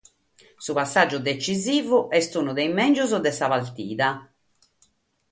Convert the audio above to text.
Su passàgiu detzisivu est unu de sos mègius de sa partida.